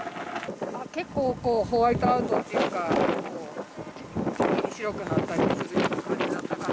結構ホワイトアウトっていうか、急に白くなったりするような状況だったから。